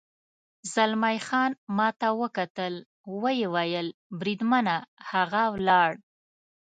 زلمی خان ما ته وکتل، ویې ویل: بریدمنه، هغه ولاړ.